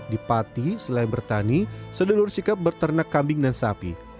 di pati selain bertani sedulur sikep berternak kambing dan sapi